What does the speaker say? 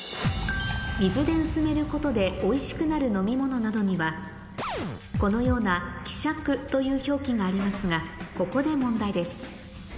水で薄めることでおいしくなる飲み物などにはこのような「希釈」という表記がありますがここで問題です